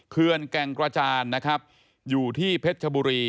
เคือนแกงกระจานอยู่ที่เพชรบุรี